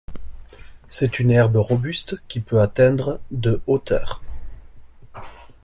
C'est une herbe robuste qui peut atteindre de hauteur.